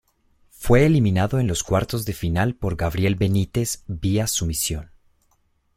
Fue eliminado en los cuartos de final por Gabriel Benítez vía sumisión.